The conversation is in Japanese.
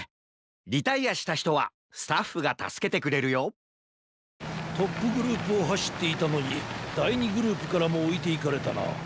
リタイアしたひとはスタッフがたすけてくれるよトップグループをはしっていたのにだい２グループからもおいていかれたな。